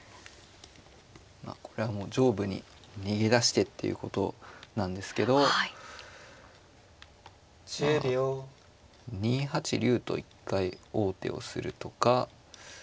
まあこれはもう上部に逃げ出してっていうことなんですけどまあ２八竜と一回王手をするとか。